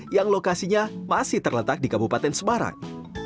yang lokasinya masih terletak di kabupaten semarang